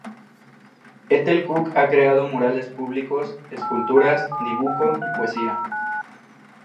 Ethel Cooke ha creado murales públicos, esculturas, dibujo y poesía.